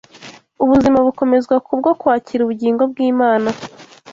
ubuzima bukomezwa kubwo kwakira ubugingo bw’Imana